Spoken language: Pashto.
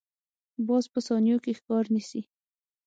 باز په ثانیو کې ښکار نیسي